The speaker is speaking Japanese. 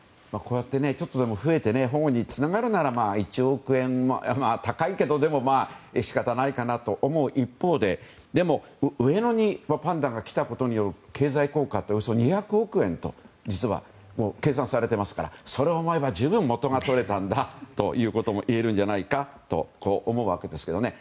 ちょっとでも増えて保護につながるなら１億円、高いけど仕方ないかなと思う一方ででも、上野にパンダが来たことによる経済効果っておよそ２００億円と実は計算されていますからそれを思えば十分元が取れたんだということもいえるんじゃないかと思うわけですけど。